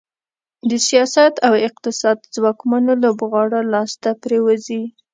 د سیاست او اقتصاد ځواکمنو لوبغاړو لاس ته پرېوځي.